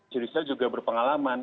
judisial juga berpengalaman